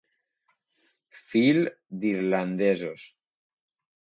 Fill d'irlandesos.